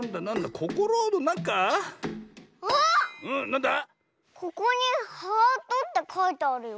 ここに「ハート」ってかいてあるよ。